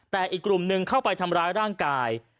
แต่อีกกลุ่มหนึ่งเข้าไปทำร้ายร่างกาย